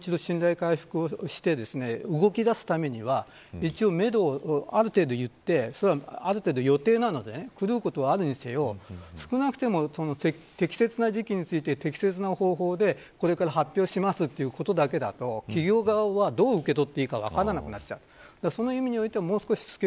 ですから本当に今のジャニーズ事務所がもう一度、信頼回復をして動きだすためには一応めどをある程度言ってそれは、ある程度予定なので狂うことはあるにせよ少なくとも、適切な時期について適切な方法でこれから発表しますということだけだと企業側はどう受け取っていいか分からなくなっちゃう。